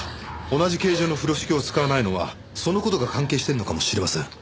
同じ形状の風呂敷を使わないのはその事が関係してるのかもしれません。